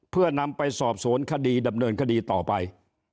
เพื่อนำไปสอบสวนคดีดำเนินคดีต่อไป